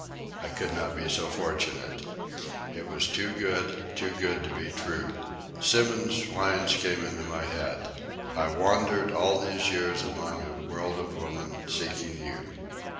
I could not be so fortunate. It was too good, too good to be true. Symons's lines came into my head: "I wandered all these years among A world of women, seeking you."